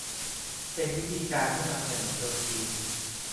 เป็นวิธีการที่นำเสนอโดยทีม